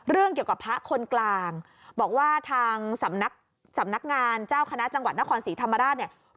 เกี่ยวกับพระคนกลางบอกว่าทางสำนักสำนักงานเจ้าคณะจังหวัดนครศรีธรรมราชเนี่ย